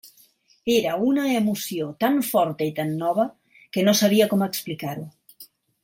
Era una emoció tan forta i tan nova, que no sabia com explicar-ho.